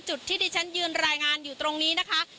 จุดที่ที่ฉันยืนรายงานอยู่ตรงนี้นะคะ